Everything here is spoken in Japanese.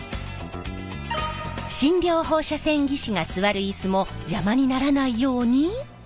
診療放射線技師が座るイスも邪魔にならないように。